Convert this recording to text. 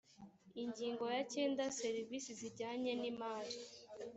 ingingo ya cyenda serivisi zijyanye n’imari